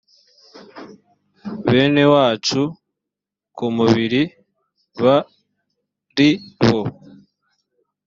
bene wacu ku mubiri b ari bo